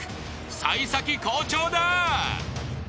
幸先好調だ］